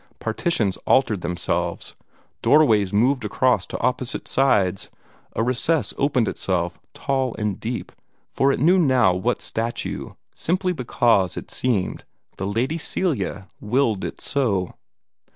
Partitions altered themselves; door ways moved across to opposite sides; a recess opened itself, tall and deep, for it knew not what statue simply because, it seemed, the Lady Celia willed it so.